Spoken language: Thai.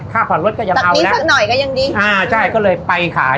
ค่าขนรถก็ยังเอาอยู่แล้วอ่าใช่ก็เลยไปขาย